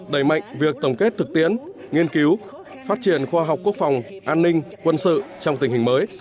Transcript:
đẩy mạnh việc tổng kết thực tiễn nghiên cứu phát triển khoa học quốc phòng an ninh quân sự trong tình hình mới